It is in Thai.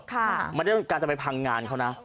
ไม่ได้ต้องการจะไปพังงานเขานะ